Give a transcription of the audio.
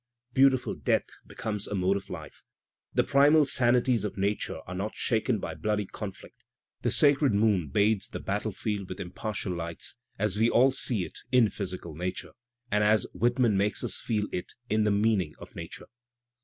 "Beautiful Death" becomes a mode of life. The "primal sanities" of nature are not shaken by bloody conflict. The sacred moon bathes the battlefield with im partial light as we all see it in physical nature and as Whit man makes us feel it in the meaning of nature.